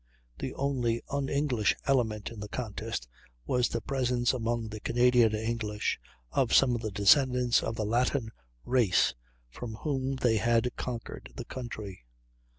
The only un English element in the contest was the presence among the Canadian English of some of the descendants of the Latin race from whom they had conquered the country.